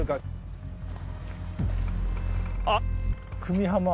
あっ！